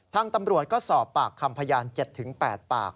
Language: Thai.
ทางตำรวจก็สอบปากคำพยาน๗๘ปาก